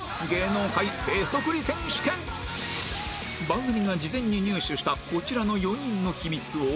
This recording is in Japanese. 番組が事前に入手したこちらの４人の秘密を